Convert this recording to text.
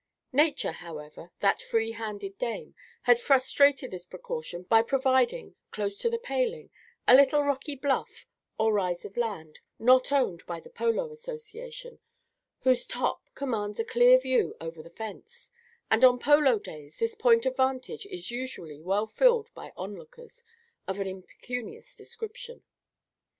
Nature, however, that free handed dame, has frustrated this precaution by providing, close to the paling, a little rocky bluff, or rise of land, not owned by the Polo Association, whose top commands a clear view over the fence; and on polo days this point of vantage is usually well filled by on lookers of an impecunious description.